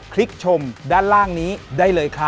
ลิกชมด้านล่างนี้ได้เลยครับ